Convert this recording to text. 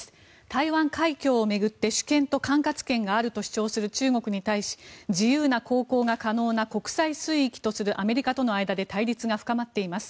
台湾海峡を巡って主権と管轄権があると主張する中国に対し自由な航行が可能な国際水域とするアメリカとの間で対立が深まっています。